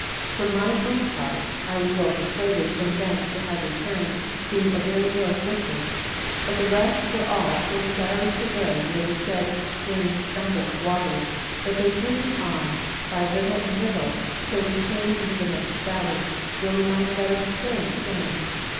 For mine own part, I was well persuaded from thence to have returned, being a very ill footman, but the rest were all so desirous to go near the said strange thunder of waters, that they drew me on by little and little, till we came into the next valley, where we might better discern the same.